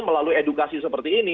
melalui edukasi seperti ini